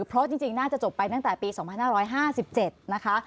เพราะจริงน่าจะจบไปตั้งแต่ปี๒๕๕๗นะคะ